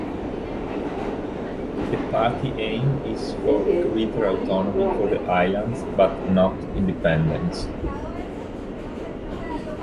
The party aim is for greater autonomy for the islands but not independence.